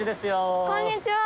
こんにちは！